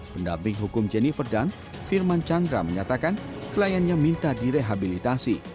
pendamping hukum jennifer dunn firman chandra menyatakan kliennya minta direhabilitasi